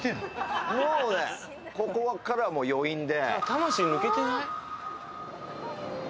ここからは余韻で。